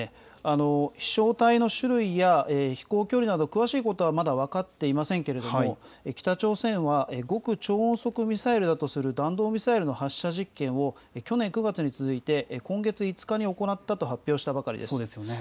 飛しょう体の種類や飛行距離など詳しいことはまだ分かっていませんけれども、北朝鮮は極超音速ミサイルだとする弾道ミサイルの発射実験を去年９月に続いて今月５日に行ったと発表したばかりです。